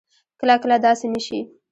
کله کله داسې نه شي